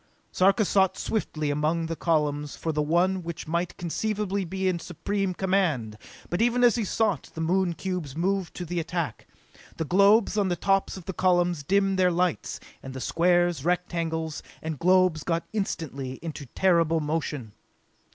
Sarka sought swiftly among the columns for the one which might conceivably be in supreme command; but even as he sought the Moon cubes moved to the attack. The globes on the tops of the columns dimmed their lights, and the squares, rectangles and globes got instantly into terrible motion.